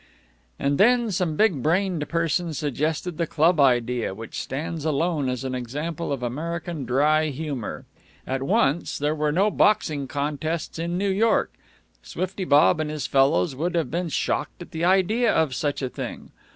And then some big brained person suggested the club idea, which stands alone as an example of American dry humor. At once there were no boxing contests in New York; Swifty Bob and his fellows would have been shocked at the idea of such a thing.